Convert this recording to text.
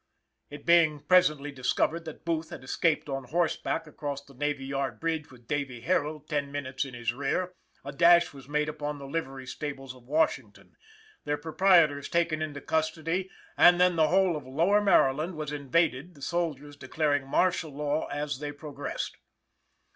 It being presently discovered that Booth had escaped on horseback across the Navy Yard Bridge with David Herold ten minutes in his rear, a dash was made upon the livery stables of Washington, their proprietors taken into custody, and then the whole of lower Maryland was invaded, the soldiers declaring martial law as they progressed.